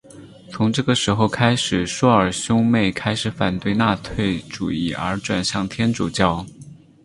从这个时候开始朔尔兄妹开始反对纳粹主义而转向天主教。